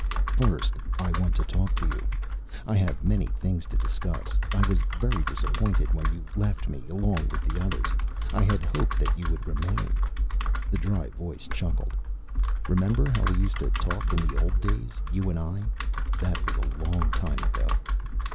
"First, I want to talk to you. I have many things to discuss. I was very disappointed when you left me, along with the others. I had hoped that you would remain." The dry voice chuckled. "Remember how we used to talk in the old days, you and I? That was a long time ago."